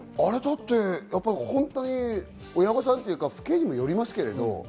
本当に親御さんというか、父兄にもよりますけど。